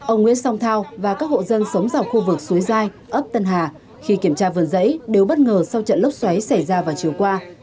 ông nguyễn song thao và các hộ dân sống dọc khu vực suối giai ấp tân hà khi kiểm tra vườn giấy đều bất ngờ sau trận lốc xoáy xảy ra vào chiều qua